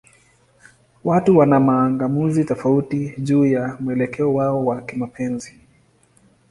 Watu wana mang'amuzi tofauti juu ya mwelekeo wao wa kimapenzi.